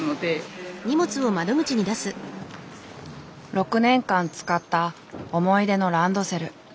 ６年間使った思い出のランドセル。